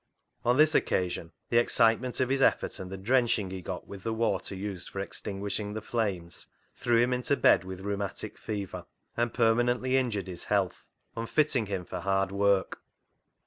On this occa sion the excitement of his effort, and the drenching he got with the water used for extinguishing the flames, threw him into bed with rheumatic fever, and permanently injured his health, unfitting him for hard work.